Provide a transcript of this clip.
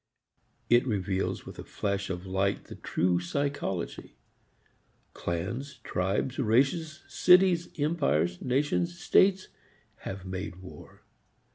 It reveals with a flash of light the true psychology. Clans, tribes, races, cities, empires, nations, states have made war.